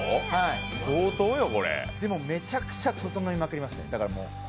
でもめちゃくちゃ、ととのいまくりますね、もう。